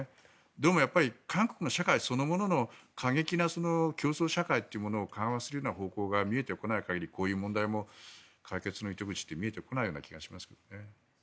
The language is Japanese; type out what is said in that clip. どうもやっぱり韓国の社会そのものの過激な競争社会を緩和する方向が見えてこない限りこういう問題も解決の糸口は見えてこない気がしますけどね。